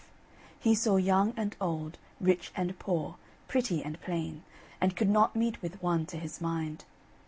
He saw young and old, rich and poor, pretty and plain, and could not meet with one to his mind.